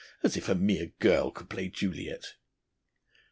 As if a mere girl could play Juliet!"